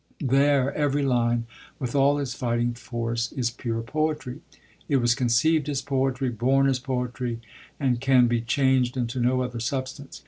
There every line, with all its fighting force, is pure poetry; it was conceived as poetry, born as poetry, and can be changed into no other substance.